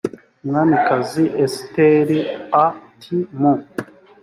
umwamikazi esiteri a ati mu